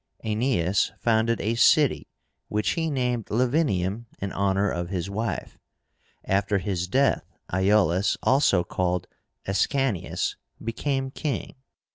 Aenéas founded a city, which he named LAVINIUM, in honor of his wife. After his death, Iúlus, also called ASCANIUS, became king.